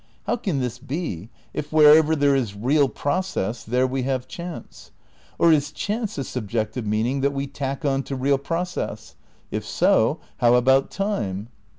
How can this be if wherever there is "reaP' process there we have chance? Or is chance a subjec tive meaning that we tack on to real process? If so, how about time?